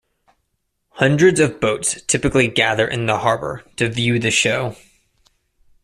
Hundreds of boats typically gather in the harbor to view the show.